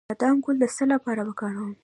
د بادام ګل د څه لپاره وکاروم؟